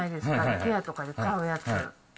ペアとかで買うやつ。